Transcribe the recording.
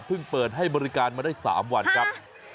เปิดให้บริการมาได้๓วันครับ